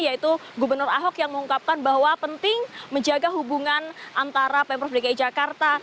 yaitu gubernur ahok yang mengungkapkan bahwa penting menjaga hubungan antara pemprov dki jakarta